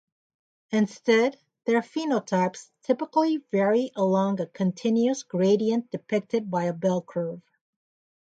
Instead, their phenotypes typically vary along a continuous gradient depicted by a bell curve.